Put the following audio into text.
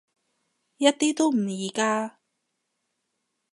一啲都唔易㗎